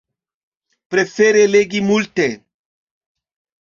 Prefere legi multe.